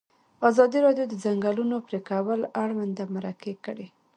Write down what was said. ازادي راډیو د د ځنګلونو پرېکول اړوند مرکې کړي.